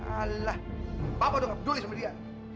alah bapak udah gak peduli sama dia